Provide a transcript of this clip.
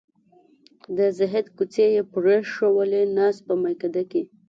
د زهد کوڅې یې پرېښوولې ناست په میکده کې